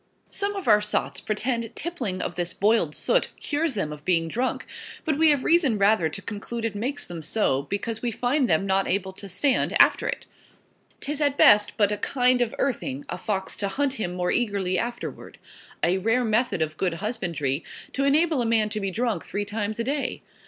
Some of our Sots pretend tippling of this boiled Soot cures them of being Drunk; but we have reason rather to conclude it makes them so, because we find them not able to stand after it: "Tis at best but a kind of Earthing a Fox to hunt him more eagerly afterward: A rare method of good husbandry, to enable a man to be drunk three times a day!